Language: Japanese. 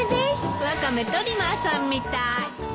ワカメトリマーさんみたい。